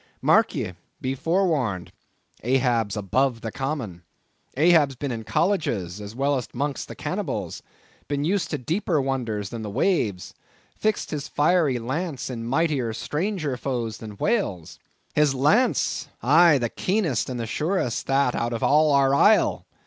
Mark ye, be forewarned; Ahab's above the common; Ahab's been in colleges, as well as 'mong the cannibals; been used to deeper wonders than the waves; fixed his fiery lance in mightier, stranger foes than whales. His lance! aye, the keenest and the surest that out of all our isle!